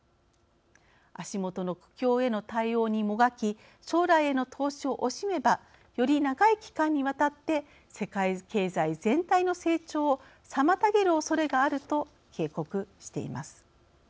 足元の苦境への対応にもがき将来への投資を惜しめばより長い期間にわたって世界経済全体の成長を妨げるおそれがあると警告しています。